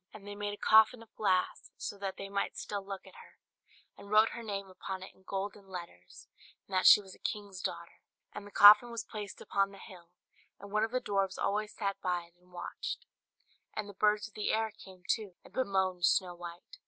And they made a coffin of glass so that they might still look at her, and wrote her name upon it in golden letters, and that she was a king's daughter. And the coffin was placed upon the hill, and one of the dwarfs always sat by it and watched. And the birds of the air came too, and bemoaned Snow White.